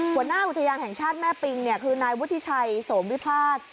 หัวหน้าอุทยานแห่งชาติแม่ปิงคือนายวุฒิชัยโสมวิพาท